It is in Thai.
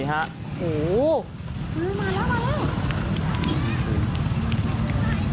มาแล้วมาแล้ว